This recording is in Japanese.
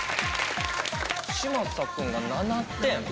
嶋佐くんが７点？